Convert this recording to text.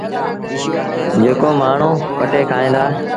جيڪو مآڻهوٚݩ پٽي کائيٚݩ دآ۔